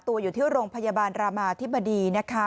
ตัวอยู่ที่โรงพยาบาลรามาธิบดีนะคะ